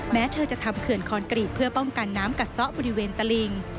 แม้เธอจะทำเขื่อนคอนกรีตเพื่อป้องกันน้ำกัดซะบริเวณตะลิง